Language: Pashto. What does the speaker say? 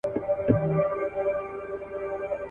دا نا پایه لوی کاروان دی هر انسان پکښي ځاییږي ,